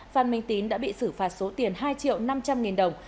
phan minh tín đã bị xử phạt số tiền hai triệu năm trăm linh nghìn đồng